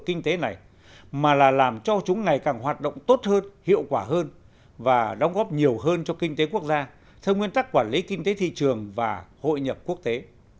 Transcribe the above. kinh tế này mà là làm cho chúng ngày càng hoạt động tốt hơn hiệu quả hơn và đóng góp nhiều hơn cho kinh tế quốc gia theo nguyên tắc quản lý kinh tế thị trường và hội nhập quốc tế